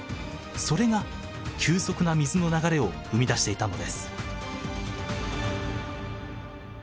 それが急速な水の流れを生み出していたのです。